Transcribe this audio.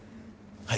はい。